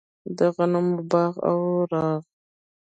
د غمونو باغ او راغ.